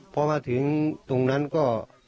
พอมาถึงตรงนั้นก็